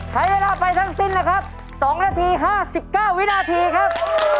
ใช้เวลาไปทั้งสิ้นนะครับ๒นาที๕๙วินาทีครับ